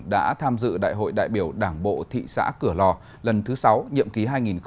đã tham dự đại hội đại biểu đảng bộ thị xã cửa lò lần thứ sáu nhiệm ký hai nghìn hai mươi hai nghìn hai mươi năm